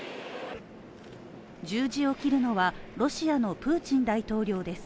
十字を切るのはロシアのプーチン大統領です。